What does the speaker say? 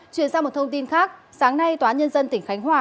chuyển sang một thông tin khác sáng nay tòa nhân dân tỉnh khánh hòa